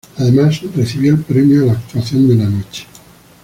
Además, recibió el premio a la "Actuación de la Noche".